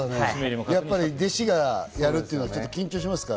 やっぱり弟子がやるというのは、緊張しますか？